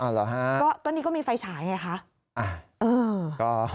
อ๋อเหรอฮะอเรนนี่ก็มีไฟฉายไงคะ